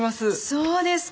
そうですか。